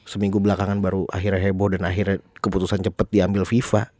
seminggu belakangan baru akhirnya heboh dan akhirnya keputusan cepat diambil viva